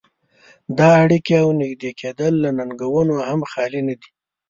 دا اړيکې او نږدې کېدل له ننګونو هم خالي نه دي.